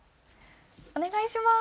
お願いします！